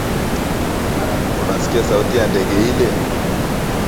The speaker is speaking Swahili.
Unasikia sauti ya ndege ile?